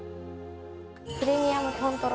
プレミアム豚トロ